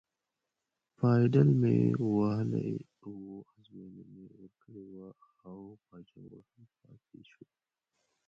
پایډل مې وهلی و، ازموینه مې ورکړې وه او باجوړ هم پاتې شو.